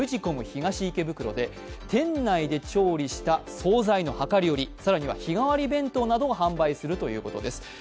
ＭＵＪＩｃｏｍ東池袋で店内で調理した総菜の量り売り、更には日替わり弁当なども販売するということです。